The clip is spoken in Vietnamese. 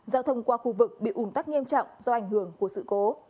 giao thông qua khu vực bị ủn tắc nghiêm trọng do ảnh hưởng của sự cố